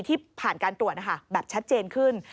ที่ผ่านการตรวจแบบชัดเจนขึ้น